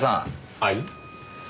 はい？